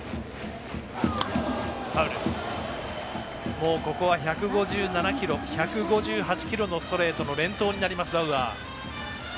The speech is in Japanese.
もう、ここは１５７キロ１５８キロのストレートの連投になります、バウアー。